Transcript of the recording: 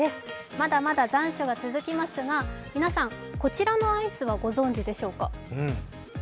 まだまだ残暑が続きますが、皆さん、こちらのアイスはご存じでしょうか。